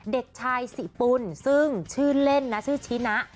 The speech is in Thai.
เด็กชายสิปุ่นซึ่งชื่อเล่นนะชื่อชินะ